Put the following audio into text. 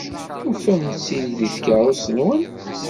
Tufam-tt-id deg tkeṛṛust-nwen?